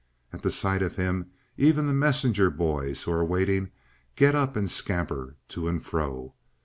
At the sight of him even the messenger boys who are waiting, get up and scamper to and fro.